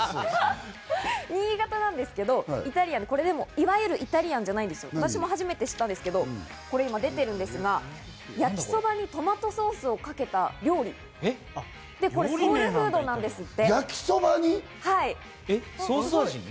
新潟なんですけれどもイタリアンって、いわゆるイタリアンじゃないんですけれども、私も初めて知ったんですが、焼きそばにトマトソースをかけた料理、ソウルフードなんですって。